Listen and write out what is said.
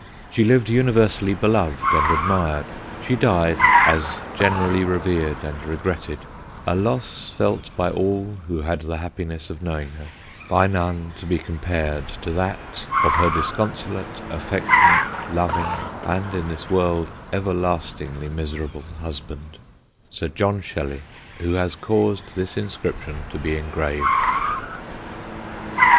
She lived universally belov'd, and admir'd She died as generally rever'd, and regretted, A loss felt by all who had the happiness of knowing Her, By none to be compar'd to that of her disconsolate, affectionate, Loving, & in this World everlastingly Miserable Husband, Sir JOHN SHELLEY, Who has caused this inscription to be Engrav'd.